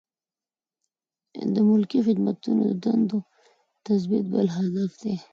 د ملکي خدمتونو د دندو تثبیت بل هدف دی.